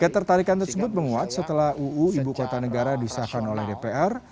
ketertarikan tersebut menguat setelah uu ibu kota negara disahkan oleh dpr